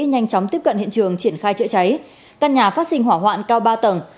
nhanh chóng tiếp cận hiện trường triển khai chữa cháy căn nhà phát sinh hỏa hoạn cao ba tầng